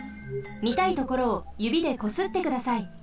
みたいところをゆびでこすってください。